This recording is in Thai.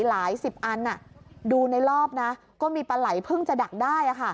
หลายสิบอันดูในรอบนะก็มีปลาไหล่เพิ่งจะดักได้